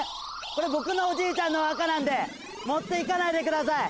これ僕のおじいちゃんのお墓なんで持っていかないでください